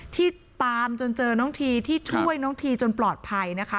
ที่ตามจนเจอน้องทีที่ช่วยน้องทีจนปลอดภัยนะคะ